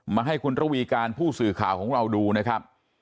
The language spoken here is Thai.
ให้คุณระวีการผู้สื่อข่าวของเราดูนะครับ